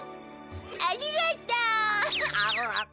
ありがとう。はっ！